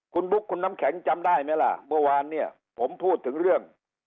คุณบุ๊คคุณน้ำแข็งจำได้ไหมล่ะเมื่อวานเนี่ยผมพูดถึงเรื่อง